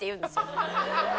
ハハハハ。